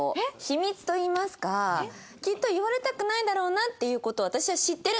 秘密といいますかきっと言われたくないだろうなっていう事を私は知ってるの！